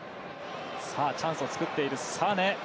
チャンスを作っている。